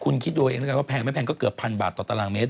คุณคิดดูเองดีกว่าแพงไหมแพงก็เกือบ๑๐๐๐บาทต่อตารางเมตร